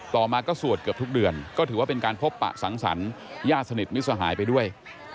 ต่อมาก็สวดเกือบทุกเดือนก็ถือว่าเป็นการพบปะสังสรรค์ญาติสนิทมิตรสหายไปด้วย